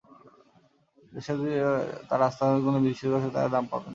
দেশে যদি তাঁরা আস্থা হারান, কোনো বিদেশির কাছেই তাঁরা দাম পাবেন না।